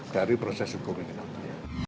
tapi proses hukum ini tidak berlaku